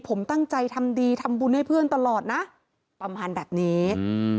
ผมตั้งใจทำดีทำบุญให้เพื่อนตลอดนะประมาณแบบนี้อืม